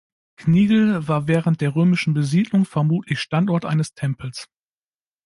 Gnigl war während der römischen Besiedlung vermutlich Standort eines Tempels.